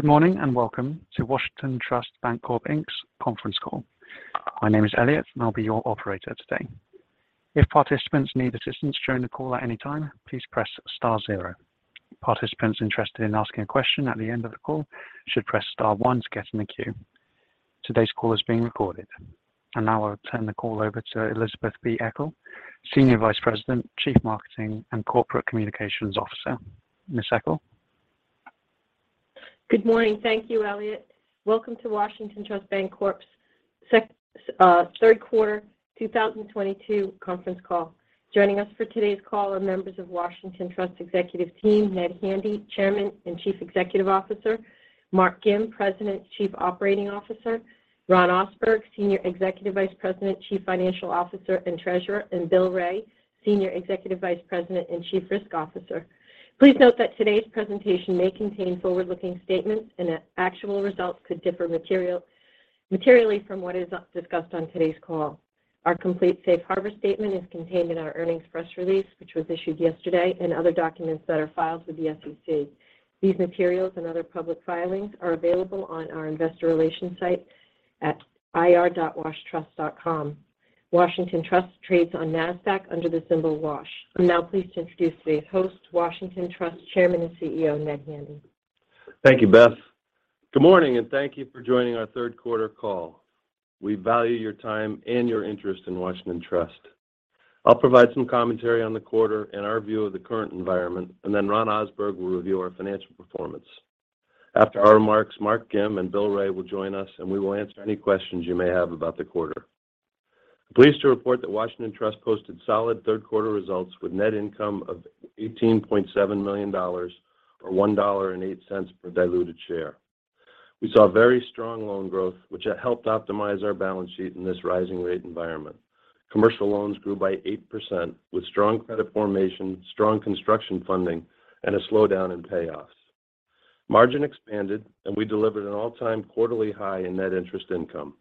Good morning, and welcome to Washington Trust Bancorp, Inc.'s conference call. My name is Elliot, and I'll be your operator today. If participants need assistance during the call at any time, please press star zero. Participants interested in asking a question at the end of the call should press star one to get in the queue. Today's call is being recorded. Now I'll turn the call over to Elizabeth B. Eckel, Senior Vice President, Chief Marketing and Corporate Communications Officer. Ms. Eckel. Good morning. Thank you, Elliot. Welcome to Washington Trust Bancorp's third quarter 2022 conference call. Joining us for today's call are members of Washington Trust Executive Team, Edward O. Handy III, Chairman and Chief Executive Officer, Mark K. W. Gim, President, Chief Operating Officer, Ronald S. Ohsberg, Senior Executive Vice President, Chief Financial Officer, and Treasurer, and William K. Wray, Senior Executive Vice President and Chief Risk Officer. Please note that today's presentation may contain forward-looking statements and that actual results could differ materially from what is discussed on today's call. Our complete safe harbor statement is contained in our earnings press release, which was issued yesterday, and other documents that are filed with the SEC. These materials and other public filings are available on our investor relations site at ir.washtrust.com. Washington Trust trades on NASDAQ under the symbol WASH. I'm now pleased to introduce today's host, Washington Trust Chairman and CEO, Ned Handy. Thank you, Beth. Good morning, and thank you for joining our third quarter call. We value your time and your interest in Washington Trust. I'll provide some commentary on the quarter and our view of the current environment, and then Ron Ohsberg will review our financial performance. After our remarks, Mark Gim and Bill Wray will join us, and we will answer any questions you may have about the quarter. I'm pleased to report that Washington Trust posted solid third quarter results with net income of $18.7 million or $1.08 per diluted share. We saw very strong loan growth, which have helped optimize our balance sheet in this rising rate environment. Commercial loans grew by 8% with strong credit formation, strong construction funding, and a slowdown in payoffs. Margin expanded, and we delivered an all-time quarterly high in net interest income.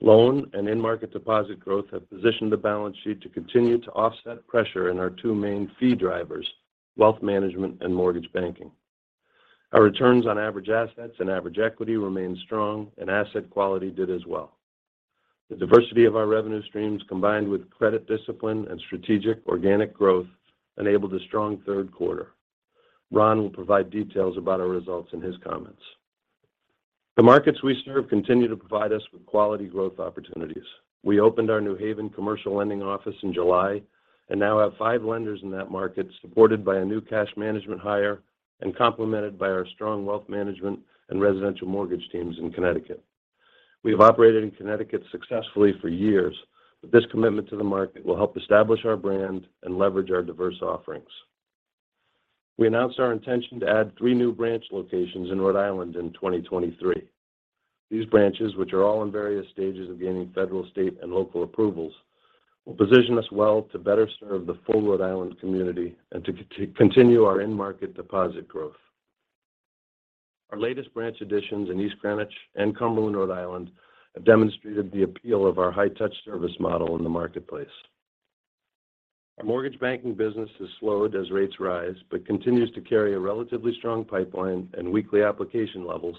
Loan and in-market deposit growth have positioned the balance sheet to continue to offset pressure in our two main fee drivers, wealth management and mortgage banking. Our returns on average assets and average equity remained strong and asset quality did as well. The diversity of our revenue streams, combined with credit discipline and strategic organic growth, enabled a strong third quarter. Ron will provide details about our results in his comments. The markets we serve continue to provide us with quality growth opportunities. We opened our New Haven commercial lending office in July and now have five lenders in that market supported by a new cash management hire and complemented by our strong wealth management and residential mortgage teams in Connecticut. We have operated in Connecticut successfully for years, but this commitment to the market will help establish our brand and leverage our diverse offerings. We announced our intention to add three new branch locations in Rhode Island in 2023. These branches, which are all in various stages of gaining federal, state and local approvals, will position us well to better serve the full Rhode Island community and to continue our end market deposit growth. Our latest branch additions in East Greenwich and Cumberland, Rhode Island, have demonstrated the appeal of our high touch service model in the marketplace. Our mortgage banking business has slowed as rates rise, but continues to carry a relatively strong pipeline and weekly application levels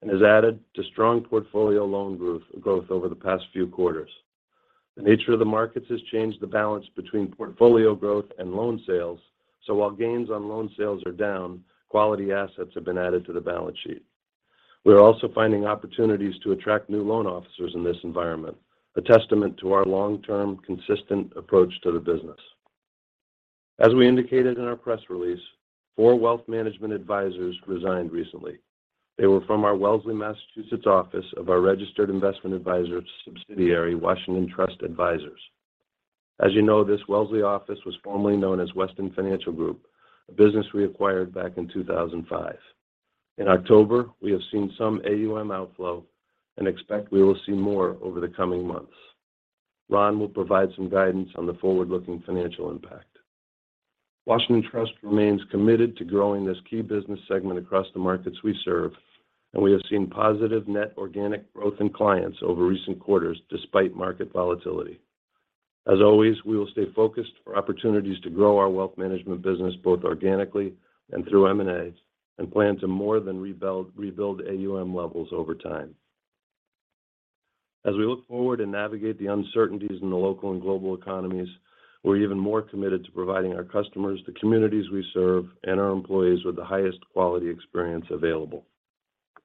and has added to strong portfolio loan growth over the past few quarters. The nature of the markets has changed the balance between portfolio growth and loan sales. While gains on loan sales are down, quality assets have been added to the balance sheet. We are also finding opportunities to attract new loan officers in this environment, a testament to our long-term consistent approach to the business. As we indicated in our press release, four wealth management advisors resigned recently. They were from our Wellesley, Massachusetts office of our registered investment advisor subsidiary, Washington Trust Advisors. As you know, this Wellesley office was formerly known as Weston Financial Group, a business we acquired back in 2005. In October, we have seen some AUM outflow and expect we will see more over the coming months. Ron will provide some guidance on the forward-looking financial impact. Washington Trust remains committed to growing this key business segment across the markets we serve, and we have seen positive net organic growth in clients over recent quarters despite market volatility. As always, we will stay focused on opportunities to grow our wealth management business both organically and through M&A and plan to more than rebuild AUM levels over time. As we look forward and navigate the uncertainties in the local and global economies, we're even more committed to providing our customers, the communities we serve, and our employees with the highest quality experience available.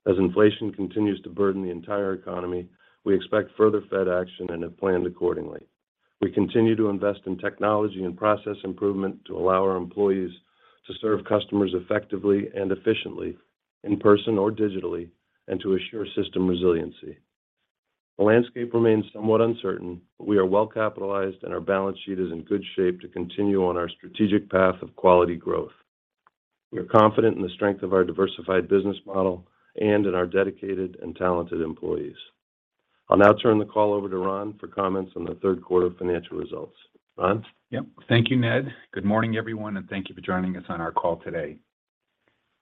As inflation continues to burden the entire economy, we expect further Fed action and have planned accordingly. We continue to invest in technology and process improvement to allow our employees to serve customers effectively and efficiently in person or digitally and to assure system resiliency. The landscape remains somewhat uncertain, but we are well capitalized, and our balance sheet is in good shape to continue on our strategic path of quality growth. We are confident in the strength of our diversified business model and in our dedicated and talented employees. I'll now turn the call over to Ron for comments on the third quarter financial results. Ron? Yep. Thank you, Ned. Good morning, everyone, and thank you for joining us on our call today.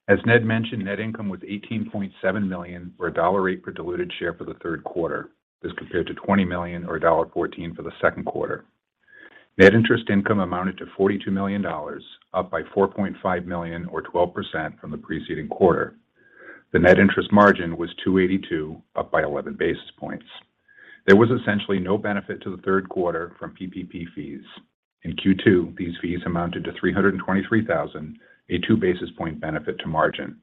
As Ned mentioned, net income was $18.7 million or $1.08 per diluted share for the third quarter as compared to $20 million or $1.14 for the second quarter. Net interest income amounted to $42 million, up by $4.5 million or 12% from the preceding quarter. The net interest margin was 2.82%, up by 11 basis points. There was essentially no benefit to the third quarter from PPP fees. In Q2, these fees amounted to $323 thousand, a 2 basis point benefit to margin.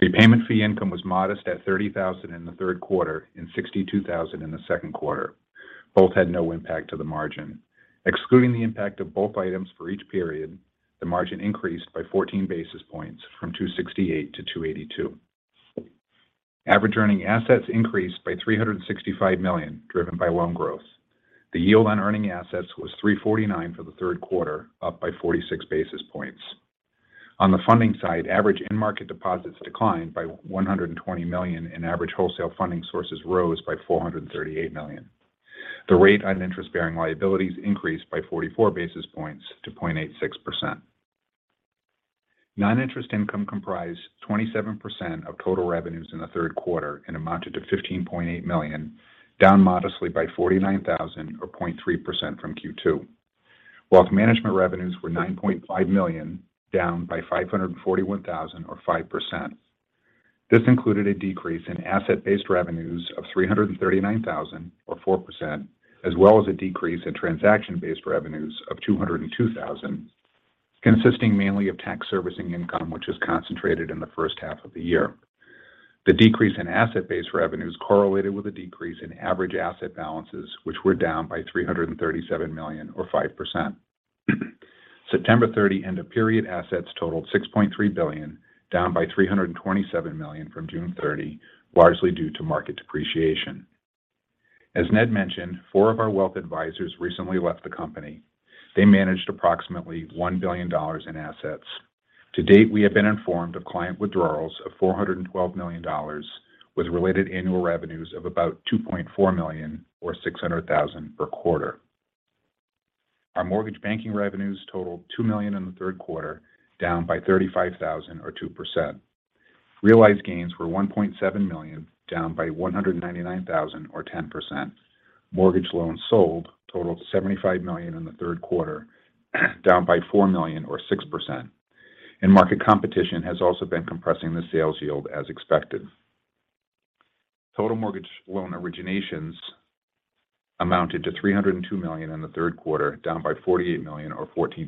Prepayment fee income was modest at $30 thousand in the third quarter and $62 thousand in the second quarter. Both had no impact to the margin. Excluding the impact of both items for each period, the margin increased by 14 basis points from 2.68% to 2.82%. Average earning assets increased by $365 million, driven by loan growth. The yield on earning assets was 3.49% for the third quarter, up by 46 basis points. On the funding side, average end market deposits declined by $120 million, and average wholesale funding sources rose by $438 million. The rate on interest-bearing liabilities increased by 44 basis points to 0.86%. Non-interest income comprised 27% of total revenues in the third quarter and amounted to $15.8 million, down modestly by $49,000 or 0.3% from Q2. Wealth management revenues were $9.5 million, down by $541,000 or 5%. This included a decrease in asset-based revenues of $339,000 or 4%, as well as a decrease in transaction-based revenues of $202,000, consisting mainly of tax servicing income, which is concentrated in the H1 of the year. The decrease in asset-based revenues correlated with a decrease in average asset balances, which were down by $337 million or 5%. September 30 end of period assets totaled $6.3 billion, down by $327 million from June 30, largely due to market depreciation. As Ned mentioned, 4 of our wealth advisors recently left the company. They managed approximately $1 billion in assets. To date, we have been informed of client withdrawals of $412 million, with related annual revenues of about $2.4 million or $600,000 per quarter. Our mortgage banking revenues totaled $2 million in the third quarter, down by $35,000 or 2%. Realized gains were $1.7 million, down by $199,000 or 10%. Mortgage loans sold totaled $75 million in the third quarter, down by $4 million or 6%. End market competition has also been compressing the sales yield as expected. Total mortgage loan originations amounted to $302 million in the third quarter, down by $48 million or 14%.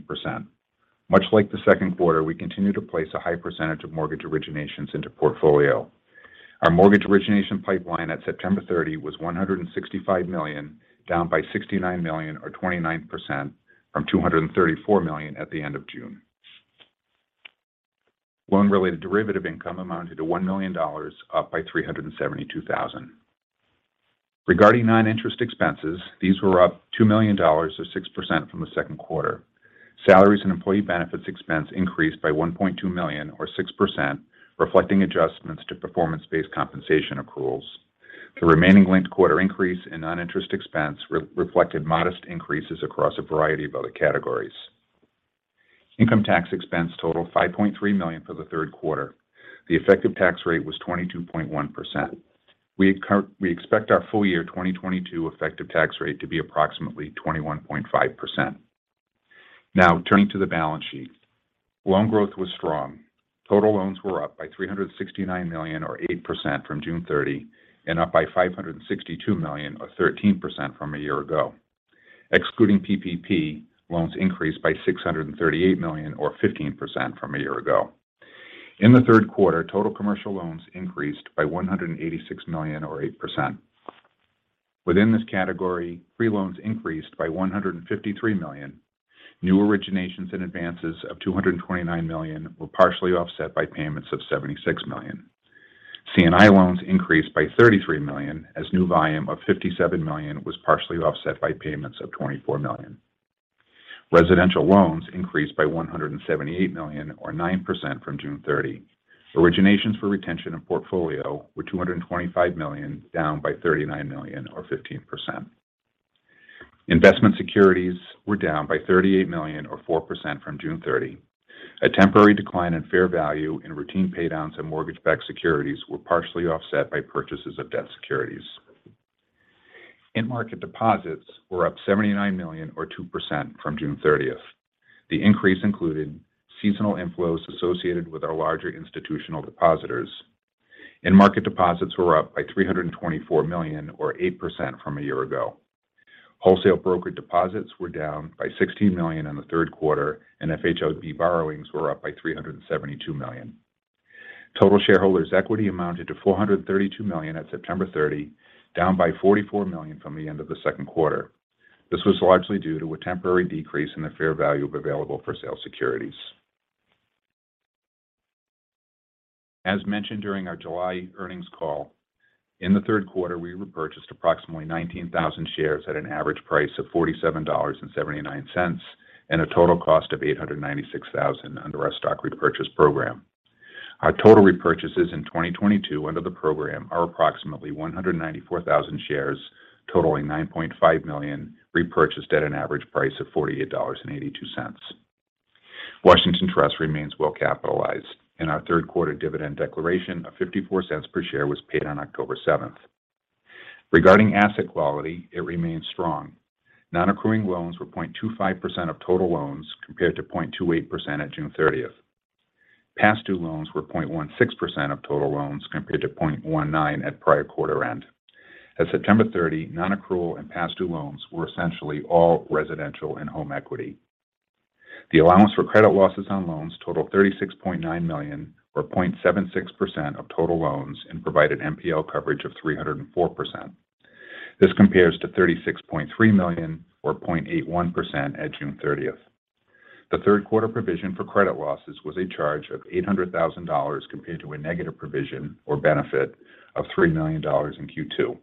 Much like the second quarter, we continue to place a high percentage of mortgage originations into portfolio. Our mortgage origination pipeline at September 30 was $165 million, down by $69 million or 29% from $234 million at the end of June. Loan-related derivative income amounted to $1 million, up by $372,000. Regarding non-interest expenses, these were up $2 million or 6% from the second quarter. Salaries and employee benefits expense increased by $1.2 million or 6%, reflecting adjustments to performance-based compensation accruals. The remaining linked-quarter increase in non-interest expense reflected modest increases across a variety of other categories. Income tax expense totaled $5.3 million for the third quarter. The effective tax rate was 22.1%. We expect our full-year 2022 effective tax rate to be approximately 21.5%. Now, turning to the balance sheet. Loan growth was strong. Total loans were up by $369 million or 8% from June 30 and up by $562 million or 13% from a year ago. Excluding PPP, loans increased by $638 million or 15% from a year ago. In the third quarter, total commercial loans increased by $186 million or 8%. Within this category, CRE loans increased by $153 million. New originations and advances of $229 million were partially offset by payments of $76 million. C&I loans increased by $33 million as new volume of $57 million was partially offset by payments of $24 million. Residential loans increased by $178 million or 9% from June 30. Originations for retention and portfolio were $225 million, down by $39 million or 15%. Investment securities were down by $38 million or 4% from June 30. A temporary decline in fair value and routine pay downs in mortgage-backed securities were partially offset by purchases of debt securities. End-of-period deposits were up $79 million or 2% from June 30th. The increase included seasonal inflows associated with our larger institutional depositors. End-of-period deposits were up by $324 million or 8% from a year ago. Wholesale broker deposits were down by $16 million in the third quarter, and FHLB borrowings were up by $372 million. Total shareholders' equity amounted to $432 million at September 30, down by $44 million from the end of the second quarter. This was largely due to a temporary decrease in the fair value of available for sale securities. As mentioned during our July earnings call, in the third quarter, we repurchased approximately 19,000 shares at an average price of $47.79, and a total cost of $896,000 under our stock repurchase program. Our total repurchases in 2022 under the program are approximately 194,000 shares, totaling $9.5 million repurchased at an average price of $48.82. Washington Trust remains well capitalized, and our third quarter dividend declaration of $0.54 per share was paid on October 7. Regarding asset quality, it remains strong. Non-accruing loans were 0.25% of total loans compared to 0.28% at June 30. Past due loans were 0.16% of total loans compared to 0.19% at prior quarter end. At September 30, non-accrual and past due loans were essentially all residential and home equity. The allowance for credit losses on loans totaled $36.9 million, or 0.76% of total loans, and provided NPL coverage of 304%. This compares to $36.3 million, or 0.81% at June 30. The third quarter provision for credit losses was a charge of $800,000 compared to a negative provision or benefit of $3 million in Q2.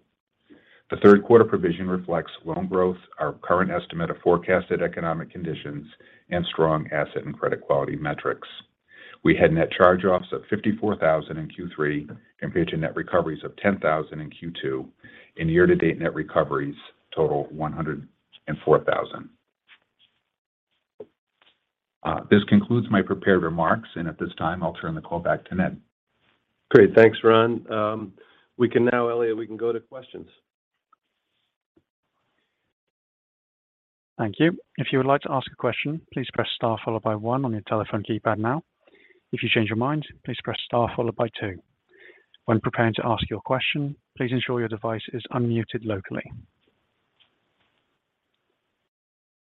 The third quarter provision reflects loan growth, our current estimate of forecasted economic conditions, and strong asset and credit quality metrics. We had net charge-offs of $54,000 in Q3 compared to net recoveries of $10,000 in Q2, and year-to-date net recoveries total $104,000. This concludes my prepared remarks, and at this time I'll turn the call back to Ned. Great. Thanks, Ron. We can now, Elliot, we can go to questions. Thank you. If you would like to ask a question, please press star followed by one on your telephone keypad now. If you change your mind, please press star followed by two. When preparing to ask your question, please ensure your device is unmuted locally.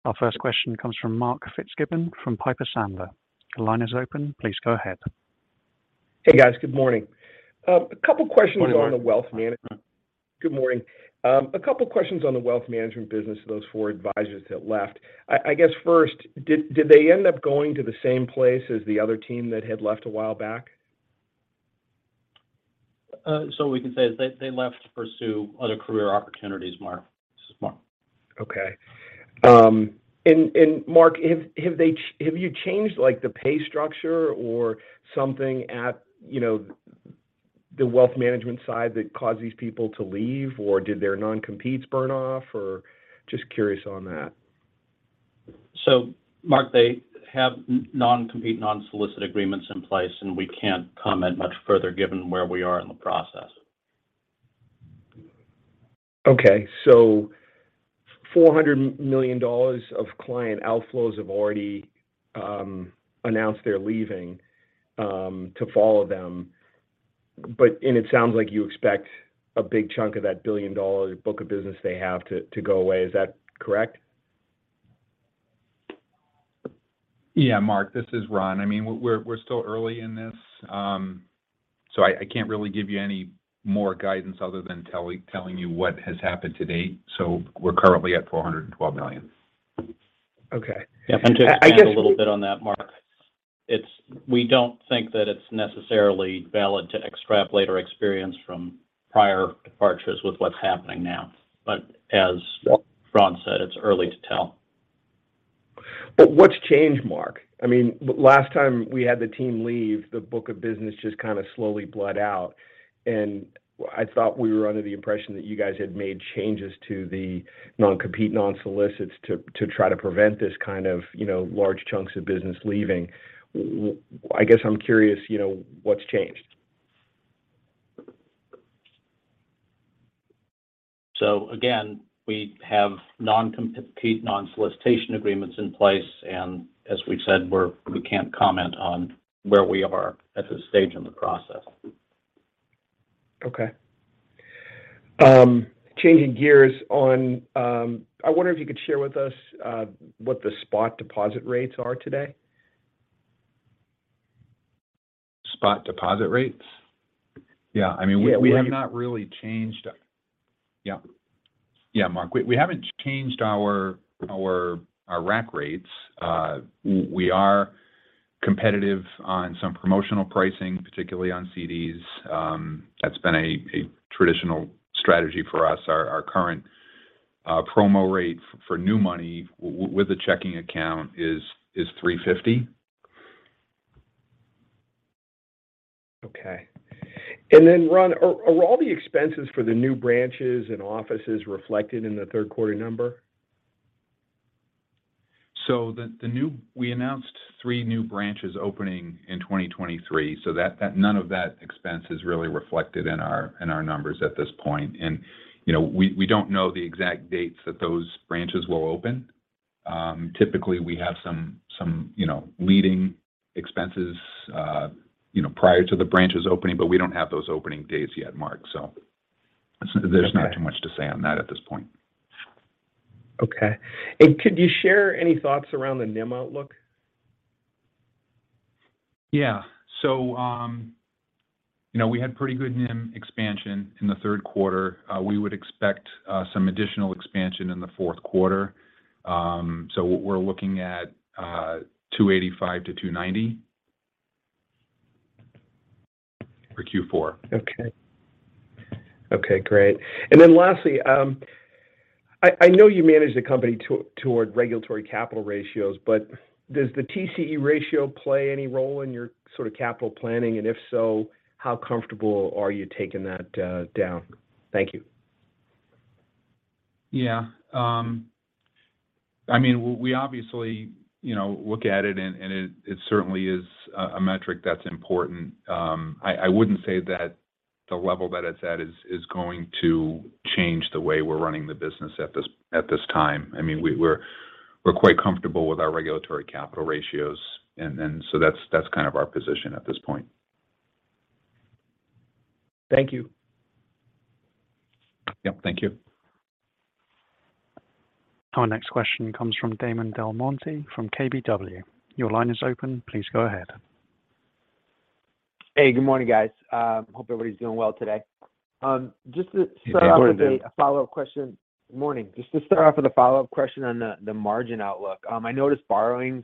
Our first question comes from Mark Fitzgibbon from Piper Sandler. The line is open. Please go ahead. Hey, guys. Good morning. A couple questions. Good morning, Mark. On the wealth management. Good morning. A couple questions on the wealth management business, those four advisors that left. I guess first, did they end up going to the same place as the other team that had left a while back? What we can say is they left to pursue other career opportunities, Mark. This is Mark. Okay, and Mark, have you changed, like, the pay structure or something at the wealth management side that caused these people to leave? Or did their non-competes burn off? Just curious on that. Mark, they have noncompete-nonsolicit agreements in place, and we can't comment much further given where we are in the process. $400 million of client outflows have already announced they're leaving to follow them. It sounds like you expect a big chunk of that billion-dollar book of business they have to go away. Is that correct? Yeah, Mark. This is Ron. I mean, we're still early in this, so I can't really give you any more guidance other than telling you what has happened to date. We're currently at $412 million. Okay. I guess. Yeah. To expand a little bit on that, Mark, we don't think that it's necessarily valid to extrapolate our experience from prior departures with what's happening now. Yep Ron said, it's early to tell. What's changed, Mark? I mean, last time we had the team leave, the book of business just kind of slowly bled out. I thought we were under the impression that you guys had made changes to the non-compete, non-solicits to try to prevent this kind of large chunks of business leaving. I guess I'm curious what's changed? Again, we have non-compete, non-solicitation agreements in place, and as we've said, we can't comment on where we are at this stage in the process. Okay. Changing gears. I wonder if you could share with us what the spot deposit rates are today. Spot deposit rates? Yeah. I mean. Yeah. The rate. We have not really changed. Yeah. Yeah, Mark. We haven't changed our rack rates. We are competitive on some promotional pricing, particularly on CDs. That's been a traditional strategy for us. Our current promo rate for new money with a checking account is 3.50%. Okay. Ron, are all the expenses for the new branches and offices reflected in the third quarter number? We announced 3 new branches opening in 2023, so that none of that expense is really reflected in our numbers at this point. You know, we don't know the exact dates that those branches will open. Typically we have some you know, leading expenses you know, prior to the branches opening, but we don't have those opening dates yet, Mark. Okay Not too much to say on that at this point. Okay. Could you share any thoughts around the NIM outlook? You know, we had pretty good NIM expansion in the third quarter. We would expect some additional expansion in the fourth quarter. We're looking at 2.85%-2.90% for Q4. Okay, great. Lastly, I know you manage the company toward regulatory capital ratios, but does the TCE ratio play any role in your sort of capital planning? If so, how comfortable are you taking that down? Thank you. Yeah. I mean, we obviously look at it and it certainly is a metric that's important. I wouldn't say that the level that it's at is going to change the way we're running the business at this time. I mean, we're quite comfortable with our regulatory capital ratios and so that's kind of our position at this point. Thank you. Yep, thank you. Our next question comes from Damon DelMonte from KBW. Your line is open. Please go ahead. Hey, good morning, guys. Hope everybody's doing well today. Just to start off. Hey, good morning, Damon. With a follow-up question. Morning. Just to start off with a follow-up question on the margin outlook. I noticed borrowings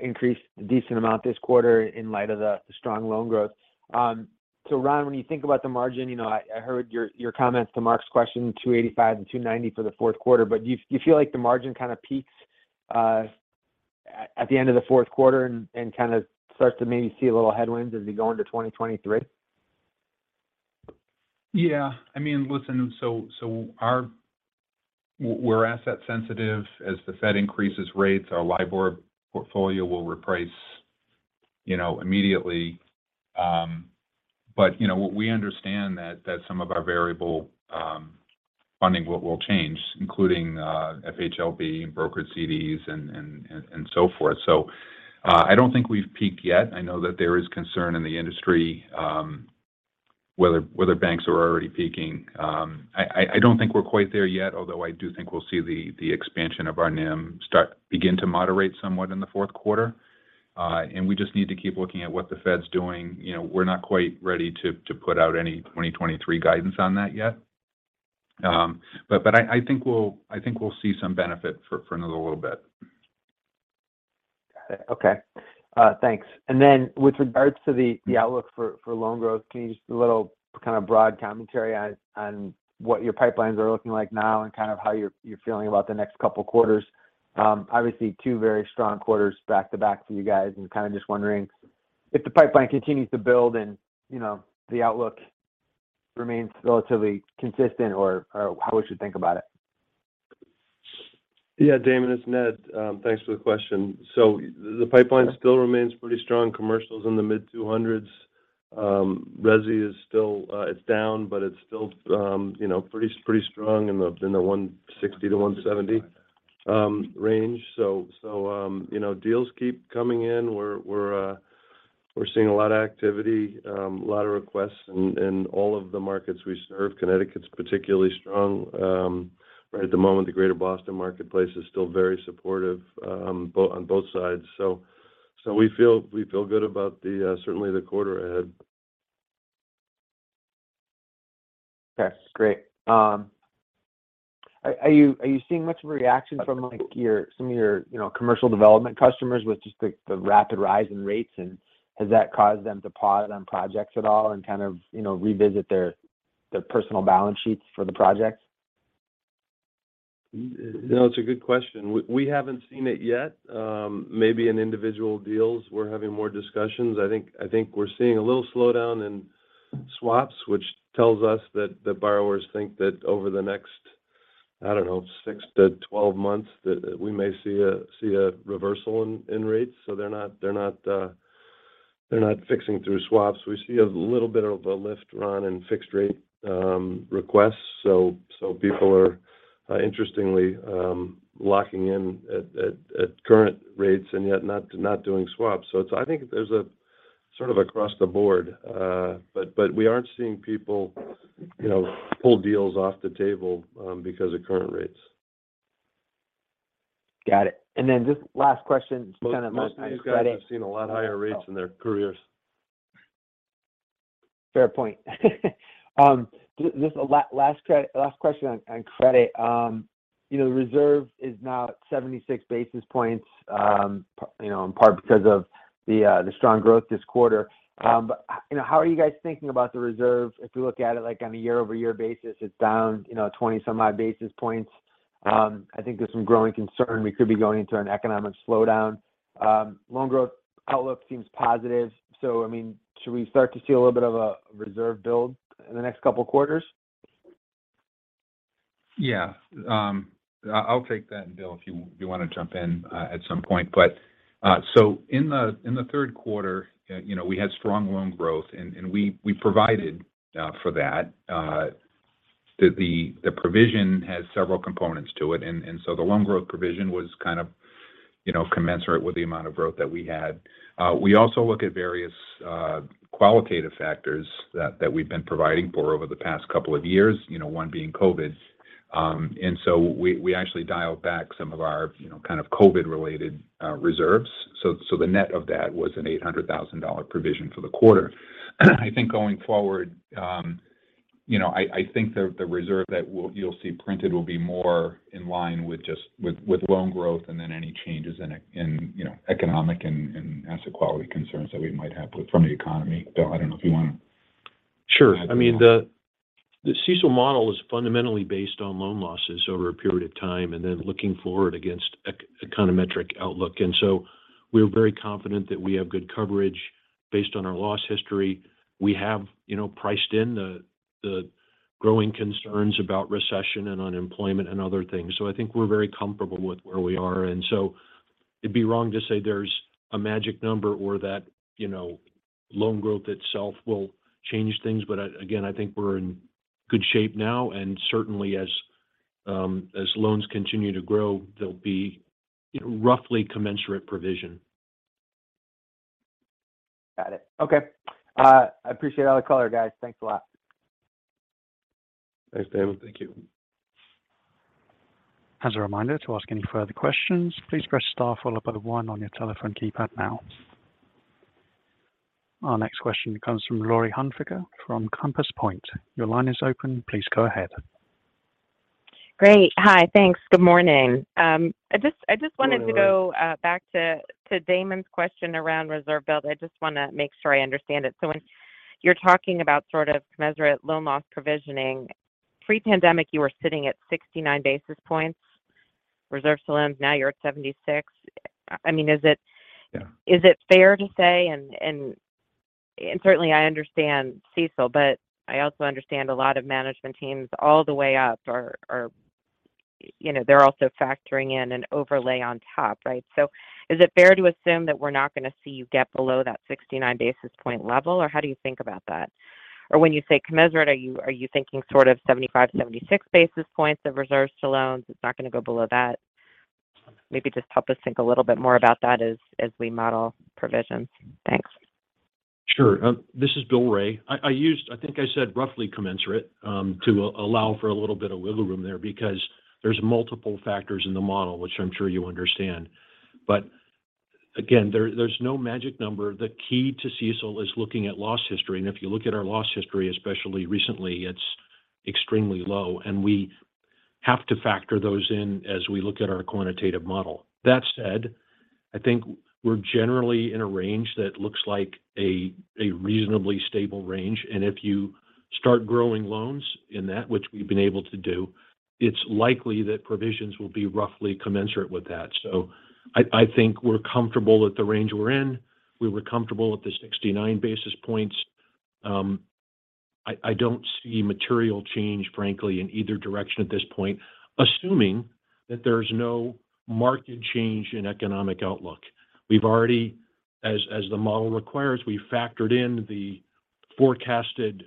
increased a decent amount this quarter in light of the strong loan growth. Ron, when you think about the margin I heard your comments to Mark's question, 2.85% and 2.90% for the fourth quarter, but do you feel like the margin kind of peaks at the end of the fourth quarter and kind of starts to maybe see a little headwinds as we go into 2023? Yeah. I mean, listen, we're asset sensitive. As the Fed increases rates, our LIBOR portfolio will reprice immediately. You know what? We understand that some of our variable funding will change, including FHLB and brokered CDs and so forth. I don't think we've peaked yet. I know that there is concern in the industry whether banks are already peaking. I don't think we're quite there yet, although I do think we'll see the expansion of our NIM begin to moderate somewhat in the fourth quarter. We just need to keep looking at what the Fed's doing. You know, we're not quite ready to put out any 2023 guidance on that yet. I think we'll see some benefit for another little bit. Got it. Okay. Thanks. With regards to the outlook for loan growth, can you just a little kind of broad commentary on what your pipelines are looking like now and kind of how you're feeling about the next couple quarters? Obviously two very strong quarters back to back for you guys and kind of just wondering if the pipeline continues to build and the outlook remains relatively consistent or how we should think about it. Yeah, Damon, it's Ned. Thanks for the question. The pipeline still remains pretty strong. Commercial's in the mid-$200s. Resi is still, it's down, but it's still pretty strong in the $160-$170 range. You know, deals keep coming in. We're seeing a lot of activity, a lot of requests in all of the markets we serve. Connecticut's particularly strong, right at the moment. The Greater Boston marketplace is still very supportive, on both sides. We feel good about the certainly the quarter ahead. Okay, great. Are you seeing much of a reaction from like your some of your commercial development customers with just the rapid rise in rates, and has that caused them to pause on projects at all and kind of revisit their personal balance sheets for the projects? You know, it's a good question. We haven't seen it yet. Maybe in individual deals we're having more discussions. I think we're seeing a little slowdown in swaps, which tells us that the borrowers think that over the next, I don't know, six to 12 months that we may see a reversal in rates. So they're not fixing through swaps. We see a little bit of a lift, Ron, in fixed rate requests. So people are, interestingly, locking in at current rates and yet not doing swaps. So it's. I think there's a sort of across the board. But we aren't seeing people pull deals off the table because of current rates. Got it. Just last question, just kind of on credit. Most of these guys have seen a lot higher rates in their careers. Fair point. Just a last question on credit. You know, reserve is now at 76 basis points in part because of the strong growth this quarter. You know, how are you guys thinking about the reserve? If we look at it like on a year-over-year basis, it's down 20-some-odd basis points. I think there's some growing concern we could be going into an economic slowdown. Loan growth outlook seems positive. I mean, should we start to see a little bit of a reserve build in the next couple quarters? Yeah. I'll take that and Bill, if you want to jump in at some point. In the third quarter we had strong loan growth and we provided for that. The provision has several components to it. The loan growth provision was kind of commensurate with the amount of growth that we had. We also look at various qualitative factors that we've been providing for over the past couple of years one being COVID. We actually dialed back some of our kind of COVID-related reserves. The net of that was an $800,000 provision for the quarter. I think going forward I think the reserve that you'll see printed will be more in line with loan growth and then any changes in economic and asset quality concerns that we might have from the economy. Bill, I don't know if you want to- Sure. I mean, the CECL model is fundamentally based on loan losses over a period of time and then looking forward against econometric outlook. We're very confident that we have good coverage. Based on our loss history, we have priced in the growing concerns about recession and unemployment and other things. I think we're very comfortable with where we are. It'd be wrong to say there's a magic number or that loan growth itself will change things. Again, I think we're in good shape now, and certainly as loans continue to grow, there'll be roughly commensurate provision. Got it. Okay. I appreciate all the color, guys. Thanks a lot. Thanks, Damon DelMonte. Thank you. As a reminder, to ask any further questions, please press star followed by the one on your telephone keypad now. Our next question comes from Laurie Havener Hunsicker from Compass Point. Your line is open. Please go ahead. Great. Hi. Thanks. Good morning. I just wanted to go back to Damon's question around reserve build. I just want to make sure I understand it. When you're talking about sort of commensurate loan loss provisioning, pre-pandemic, you were sitting at 69 basis points reserves to loans, now you're at 76. I mean, is it? Yeah. Is it fair to say and certainly I understand CECL, but I also understand a lot of management teams all the way up are they're also factoring in an overlay on top, right? Is it fair to assume that we're not going to see you get below that 69 basis point level? Or how do you think about that? When you say commensurate, are you thinking sort of 75, 76 basis points of reserves to loans? It's not going to go below that. Maybe just help us think a little bit more about that as we model provisions. Thanks. Sure. This is Bill Way. I think I said roughly commensurate to allow for a little bit of wiggle room there because there's multiple factors in the model, which I'm sure you understand. Again, there's no magic number. The key to CECL is looking at loss history. If you look at our loss history, especially recently, it's extremely low, and we have to factor those in as we look at our quantitative model. That said, I think we're generally in a range that looks like a reasonably stable range. If you start growing loans in that, which we've been able to do, it's likely that provisions will be roughly commensurate with that. I think we're comfortable with the range we're in. We were comfortable with the 69 basis points. I don't see material change, frankly, in either direction at this point, assuming that there's no market change in economic outlook. As the model requires, we factored in the forecasted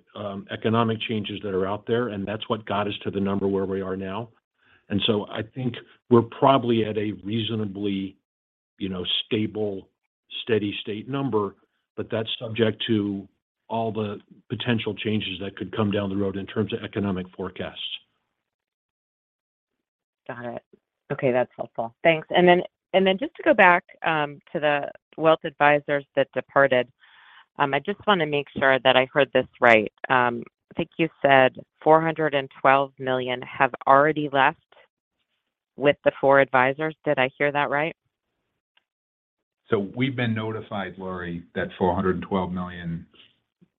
economic changes that are out there, and that's what got us to the number where we are now. I think we're probably at a reasonably stable, steady-state number, but that's subject to all the potential changes that could come down the road in terms of economic forecasts. Got it. Okay, that's helpful. Thanks. Just to go back to the wealth advisors that departed, I just want to make sure that I heard this right. I think you said $412 million have already left with the four advisors. Did I hear that right? We've been notified, Laurie, that $412 million,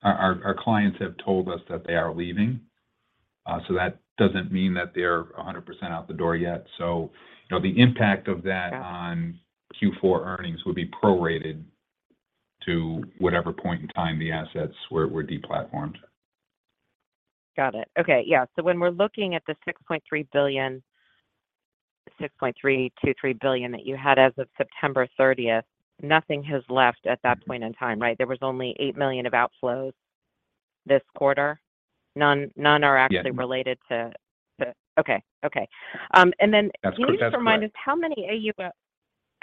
our clients have told us that they are leaving. That doesn't mean that they're 100% out the door yet. You know, the impact of that. Got it... on Q4 earnings would be prorated to whatever point in time the assets were deplatformed. Got it. Okay. Yeah. When we're looking at the $6.3 billion, $6.323 billion that you had as of September thirtieth, nothing has left at that point in time, right? There was only $8 million of outflows this quarter. None are actually related to. Yeah. Okay. That's correct. Can you just remind us how many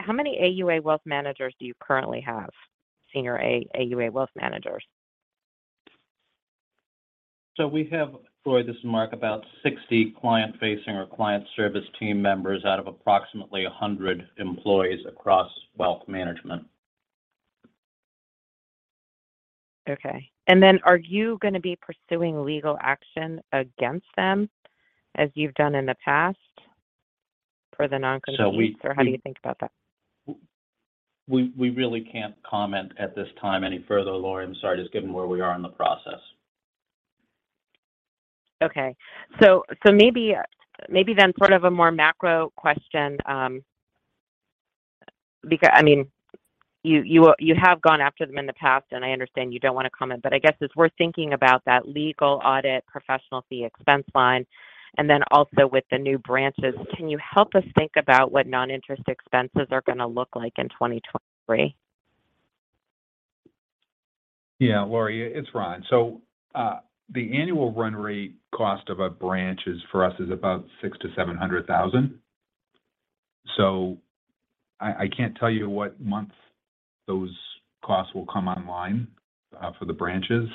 AUA wealth managers do you currently have? Senior AUA wealth managers. We have, Laurie, this is Mark, about 60 client-facing or client service team members out of approximately 100 employees across wealth management. Okay. Are you going to be pursuing legal action against them as you've done in the past for the non-competes? So we- How do you think about that? We really can't comment at this time any further, Laurie. I'm sorry, just given where we are in the process. Okay. Maybe then sort of a more macro question. I mean, you have gone after them in the past, and I understand you don't want to comment. I guess as we're thinking about that legal audit professional fee expense line and then also with the new branches, can you help us think about what non-interest expenses are going to look like in 2023? Yeah. Laurie, it's Ron. The annual run rate cost of a branch is for us about $600,000-$700,000. I can't tell you what month those costs will come online for the branches.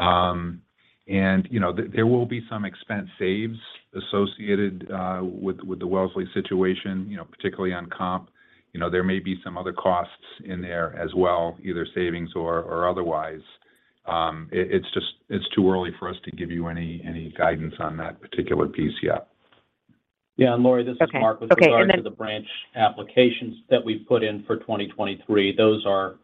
You know, there will be some expense savings associated with the Wellesley situation particularly on comp. You know, there may be some other costs in there as well, either savings or otherwise. It's just too early for us to give you any guidance on that particular piece yet. Yeah. Laurie, this is Mark. Okay. Okay. With regard to the branch applications that we've put in for 2023, those are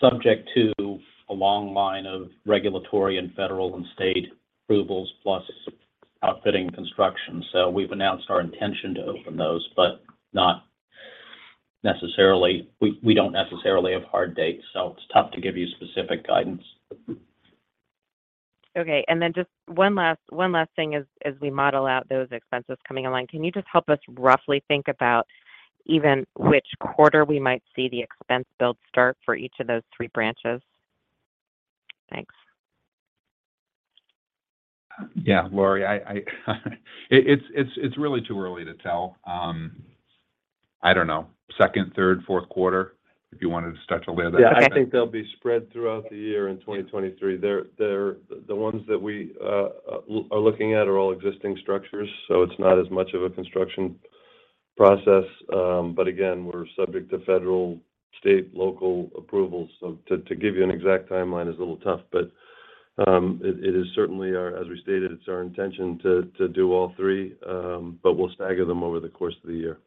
subject to a long line of regulatory and federal and state approvals. Outfitting construction. We've announced our intention to open those, but not necessarily, we don't necessarily have hard dates, so it's tough to give you specific guidance. Okay. Just one last thing as we model out those expenses coming online. Can you just help us roughly think about even which quarter we might see the expense build start for each of those three branches? Thanks. Yeah, Laurie, it's really too early to tell. I don't know, second, third, fourth quarter, if you wanted to start to layer that in. Yeah, I think they'll be spread throughout the year in 2023. They're the ones that we are looking at are all existing structures, so it's not as much of a construction process. Again, we're subject to federal, state, local approvals. To give you an exact timeline is a little tough. It is certainly our, as we stated, it's our intention to do all three. We'll stagger them over the course of the year.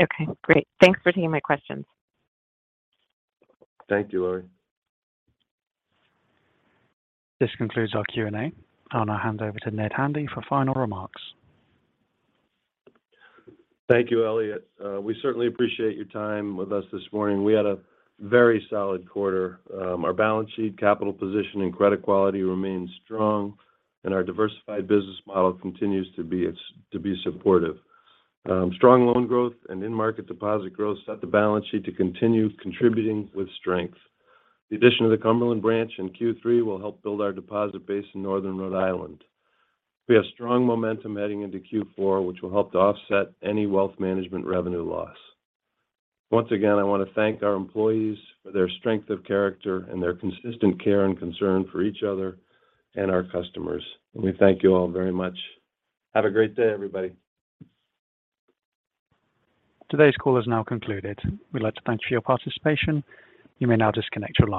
Okay, great. Thanks for taking my questions. Thank you, Laurie. This concludes our Q&A. I'll now hand over to Ned Handy for final remarks. Thank you, Elliot. We certainly appreciate your time with us this morning. We had a very solid quarter. Our balance sheet, capital position, and credit quality remains strong, and our diversified business model continues to be supportive. Strong loan growth and in-market deposit growth set the balance sheet to continue contributing with strength. The addition of the Cumberland branch in Q3 will help build our deposit base in northern Rhode Island. We have strong momentum heading into Q4, which will help to offset any wealth management revenue loss. Once again, I want to thank our employees for their strength of character and their consistent care and concern for each other and our customers. We thank you all very much. Have a great day, everybody. Today's call has now concluded. We'd like to thank you for your participation. You may now disconnect your line.